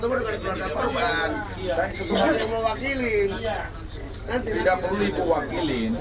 tidak perlu ikut wakilin